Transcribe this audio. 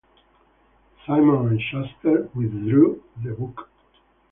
Simon and Schuster withdrew the book.